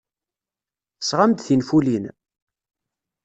Tesɣam-d tinfulin?